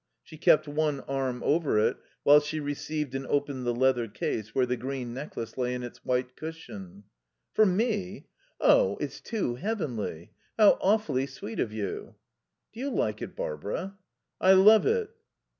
She kept one arm over it while she received and opened the leather case where the green necklace lay on its white cushion. "For me? Oh, it's too heavenly. How awfully sweet of you." "Do you like it, Barbara?" "I love it."